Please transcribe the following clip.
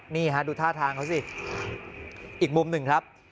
นี่ฮะดูท่าทางเขาสิอีกมุมหนึ่งครับ